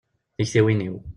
Tiktiwin-iw.